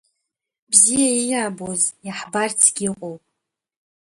Бзиа ииабоз, иаҳбарцгьы иҟоу!